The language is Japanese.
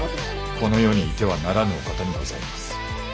この世にいてはならぬお方にございます。